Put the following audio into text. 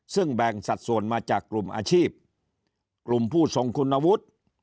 ซึ่งแบ่งสัดส่วนมาจากกลุ่มอาชีพกลุ่มผู้ทรงคุณวุฒิ